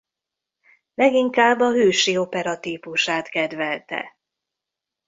Leginkább a hősi opera típusát kedvelte.